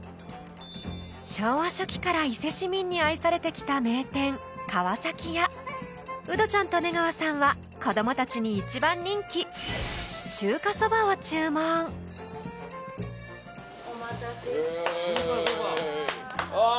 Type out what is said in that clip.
昭和初期から伊勢市民に愛されてきた名店「河屋」ウドちゃんと出川さんは子どもたちに一番人気「中華そば」を注文お待たせしました。